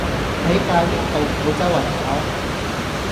喺架 𨋢 度唔好週圍摸